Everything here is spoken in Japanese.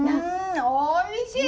おいしい！